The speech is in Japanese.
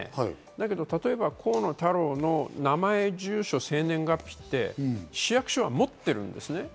だけど例えば河野太郎の名前・住所・生年月日って市役所は持ってるんですね。